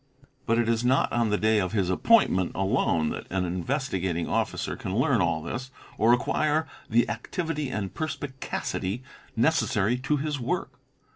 But it is not on the day of his appointment alone that an Investi gating Officer can learn all this or acquire the activity and perspicacity necessary to his work.